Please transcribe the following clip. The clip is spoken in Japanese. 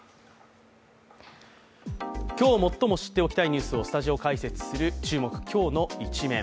今日最も知っておきたいニュースをスタジオ解説する「きょうのイチメン」。